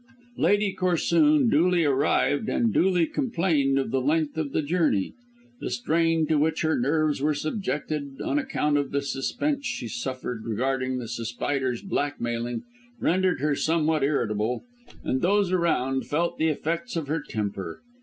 Lady Corsoon duly arrived and duly complained of the length of the journey. The strain to which her nerves were subjected on account of the suspense she suffered regarding The Spider's blackmailing, rendered her somewhat irritable, and those around felt the effects of her temper.